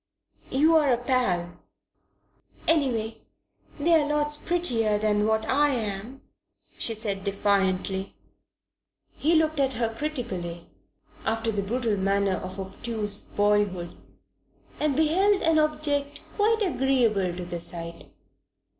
You're a pal." "Anyway, they're lots prettier than what I am," she said defiantly. He looked at her critically, after the brutal manner of obtuse boyhood, and beheld an object quite agreeable to the sight.